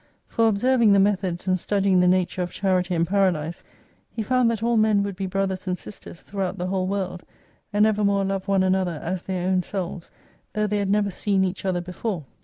For observing the methods and studying the nature of charity in Paradise, he found that all men would be brothers and sisters throughout the whole world, and evermore love one another as their own selves, though they had never seen each other before.